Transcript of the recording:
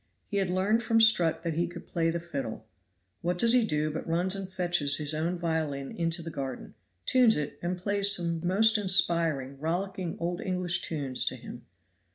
He had learned from Strutt that he could play the fiddle; what does he do but runs and fetches his own violin into the garden, tunes it, and plays some most inspiriting, rollicking old English tunes to him!